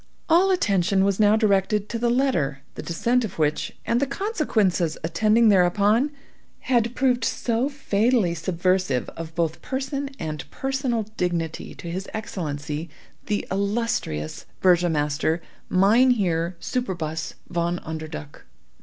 All attention was now directed to the letter, the descent of which, and the consequences attending thereupon, had proved so fatally subversive of both person and personal dignity to his Excellency, the illustrious Burgomaster Mynheer Superbus Von Underduk.